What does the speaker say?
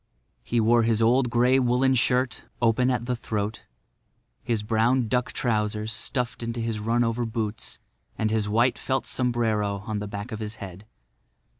He wore his old grey woolen shirt, open at the throat, his brown duck trousers stuffed into his run over boots, and his white felt sombrero on the back of his head.